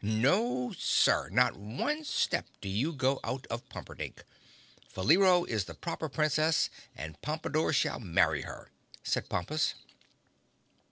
No Sir! Not one step do you go out of Pumperdink. Faleero is the Proper Princess and Pompadore shall marry her!" said Pompus.